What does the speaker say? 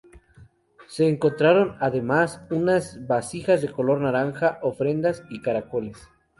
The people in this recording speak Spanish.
Se encontraron, además, unas vasijas de color naranja, ofrendas y caracoles.